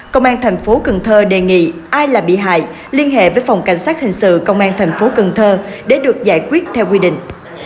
công an thành phố cần thơ đề nghị ai là bị hại liên hệ với phòng cảnh sát hình sự công an thành phố cần thơ để được giải quyết theo quy định